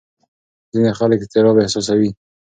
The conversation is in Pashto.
ځینې خلک اضطراب احساسوي.